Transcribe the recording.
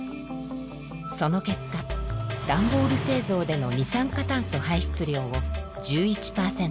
その結果段ボール製造での二酸化炭素排出量を１１％